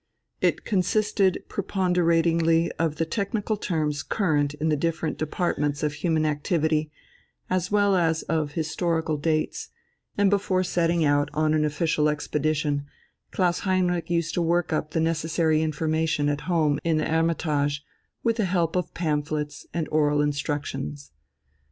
It consisted preponderatingly of the technical terms current in the different departments of human activity as well as of historical dates, and before setting out on an official expedition Klaus Heinrich used to work up the necessary information at home in the Hermitage with the help of pamphlets and oral instructions.